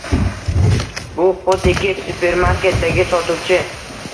Bu xuddiki supermarketdagi sotuvchi